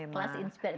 iya kelas inspirasi